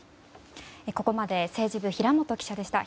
ここまで政治部平元記者でした。